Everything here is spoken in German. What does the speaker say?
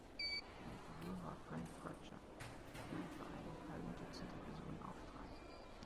Seine Figur war Frank Crutcher, der in etwa einem halben Dutzend Episoden auftrat.